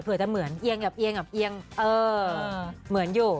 เผื่อจะเหมือนเยี่ยงเอ่อเหมือนอยู่